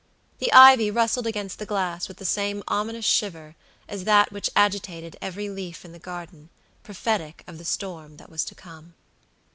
The ivy rustled against the glass with the same ominous shiver as that which agitated every leaf in the garden, prophetic of the storm that was to come.